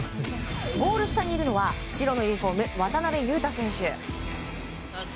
ゴール下にいるのは白のユニホーム渡邊雄太選手。